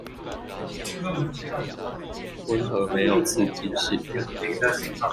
溫和沒有刺激性